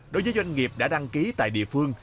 đối với doanh nghiệp đã đăng ký tại địa phương